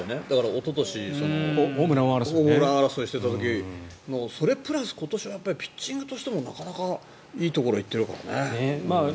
おととしホームラン王争いしていた時のそれプラス、今年はピッチングとしてもなかなかいいところに行っているからね。